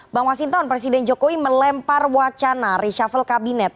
bang masinton presiden jokowi melempar wacana reshuffle kabinet